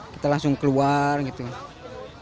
kita langsung keluar gitu ya